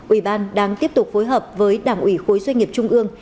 ubnd đang tiếp tục phối hợp với đảng ủy khối doanh nghiệp trung ương